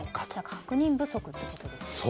確認不足ということなんですね。